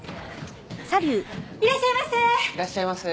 いらっしゃいませ！